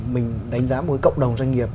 mình đánh giá một cái cộng đồng doanh nghiệp